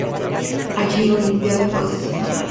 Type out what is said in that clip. Allí Olimpia fue asesinada.